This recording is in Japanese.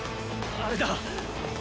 あれだ！